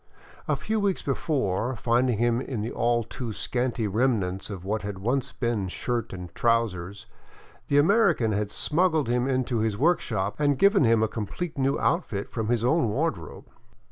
A few weeks before, finding him in the all too scanty remnants of what had once been shirt and trousers, the American had smuggled him into his workshop and given him a complete new outfit from his own wardrobe.